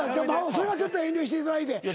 それはちょっと遠慮していただいて。